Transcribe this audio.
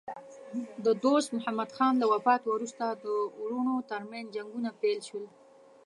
د دوست محمد خان له وفات وروسته د وروڼو ترمنځ جنګونه پیل شول.